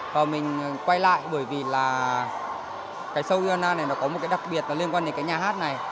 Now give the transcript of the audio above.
và mình quay lại bởi vì là cái show iona này nó có một cái đặc biệt liên quan đến cái nhà hát này